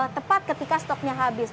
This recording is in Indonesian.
tepat ketika stoknya habis